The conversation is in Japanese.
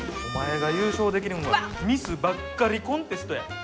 お前が優勝できるんはミスばっかりコンテストや。